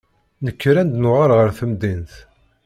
Nekker ad d-nuɣal ɣer temdint.